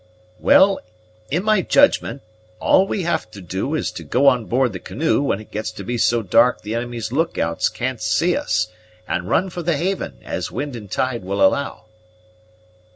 "Well, in my judgment, all we have to do is to go on board the canoe when it gets to be so dark the enemy's lookouts can't see us, and run for the haven, as wind and tide will allow."